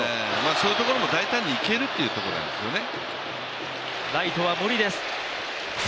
そういうところも大胆にいけるというところですよね。